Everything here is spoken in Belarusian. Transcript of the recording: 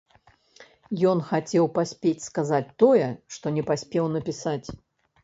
Ён хацеў паспець сказаць тое, што не паспеў напісаць.